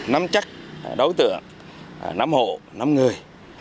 nắm chắc đối tượng nắm hộ nắm người